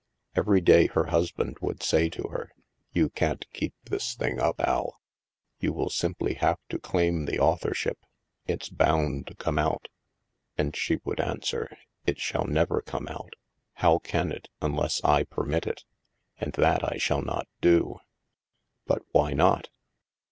Every day her husband would say to her :" You can't keep this thing up, Al. You will simply have to claim the authorship. It's bound to come out." And she would answer: "It shall never come out. How can it, unless I permit it? And that I shall not do." "But why not?"